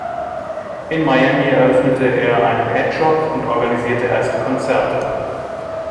Im Miami eröffnete er einen Head Shop und organisierte erste Konzerte.